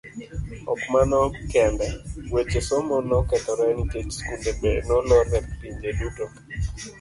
Ok mano kende, weche somo nokethore nikech skunde be nolor e pinje duto.